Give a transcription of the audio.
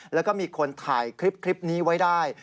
แล้วก็มีคนถ่ายคลิปนี้ไว้ได้